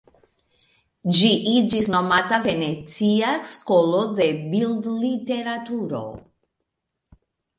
Ĝi iĝis nomata "venecia skolo de bildliteraturo".